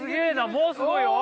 もうすごい！